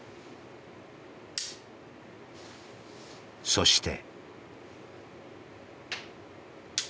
そして。